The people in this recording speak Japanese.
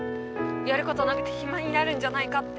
やることなくて暇になるんじゃないかって。